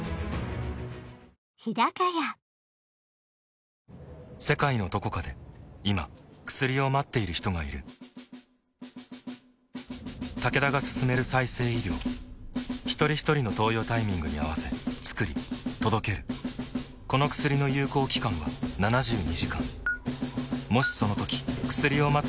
あふっ世界のどこかで今薬を待っている人がいるタケダが進める再生医療ひとりひとりの投与タイミングに合わせつくり届けるこの薬の有効期間は７２時間もしそのとき薬を待つ